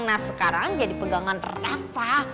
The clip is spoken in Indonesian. nah sekarang jadi pegangan rasa